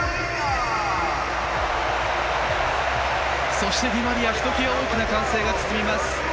そして、ディマリアひときわ大きな歓声です。